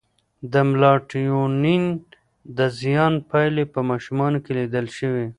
د میلاټونین د زیان پایلې په ماشومانو کې لیدل شوې.